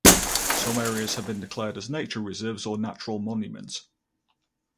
Some areas have been declared as nature reserves or natural monuments.